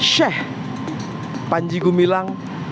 sheikh panji gumilang